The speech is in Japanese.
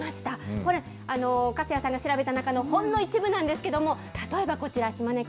これ、粕谷さんが調べた中のほんの一部なんですけども、例えばこちら、島根県。